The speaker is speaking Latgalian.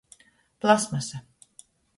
Plasmasa.